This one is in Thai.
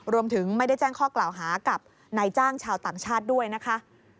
รวมถึงไม่ได้แจ้งข้อกล่าวหากับนายจ้างชาวต่างชาติด้วยนะคะ